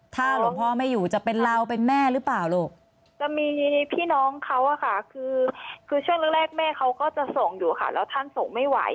ถ้าหลวงพ่อไม่อยู่จะเป็นเราเป็นแม่หรือเปล่าลูกจะมีพี่น้องเขาอะค่ะคือช่วงแรกแรกแม่เขาก็จะส่งอยู่ค่ะแล้วท่านส่งไม่ไหว